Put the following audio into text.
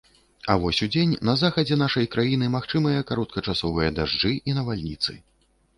А вось удзень на захадзе нашай краіны магчымыя кароткачасовыя дажджы і навальніцы.